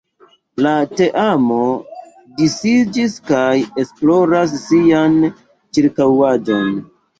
La teamo disiĝis kaj esploras sian ĉirkaŭaĵon.